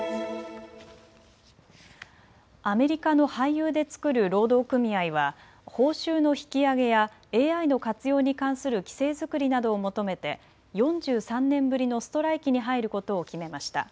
アメリカの俳優で作る労働組合は報酬の引き上げやＡＩの活用に関する規制作りなどを求めて４３年ぶりのストライキに入ることを決めました。